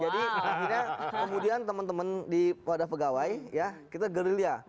jadi akhirnya kemudian teman teman di wadah pegawai ya kita gerilya